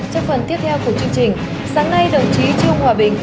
trong phần tiếp theo của chương trình sáng nay đồng chí trương hòa bình